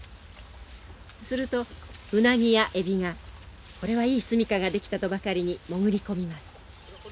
するとウナギやエビがこれはいい住みかが出来たとばかりに潜り込みます。